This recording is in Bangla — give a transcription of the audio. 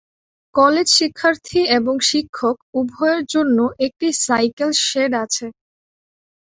কলেজ শিক্ষার্থী এবং শিক্ষক উভয়ের জন্য একটি সাইকেল শেড আছে।